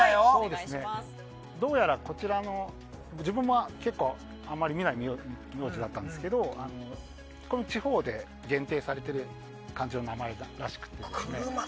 どうやら、こちらも自分は結構あまり見ないような名字だったんですけど地方で限定されている感じの名前だったらしくて。